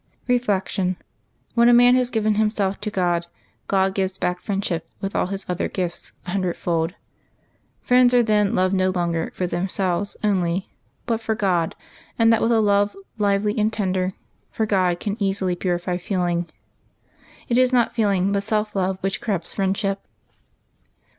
Reflection. — When a man has given himself to God, God gives back friendship with all His other gifts a hun dredfold. Friends are then loved no longer for themselves only, but for God, and that with a love lively and tender; for God can easily purify feeling. It is not feeling, but self love, which corrupts friendship.